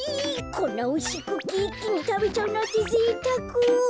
こんなおいしいクッキーいっきにたべちゃうなんてぜいたく。